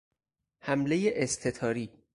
حملهی استتاری